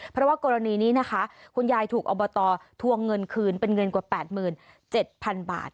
เพราะว่ากรณีนี้นะคะคุณยายถูกอบตทวงเงินคืนเป็นเงินกว่า๘๗๐๐๐บาท